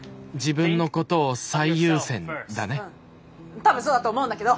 多分そうだと思うんだけど。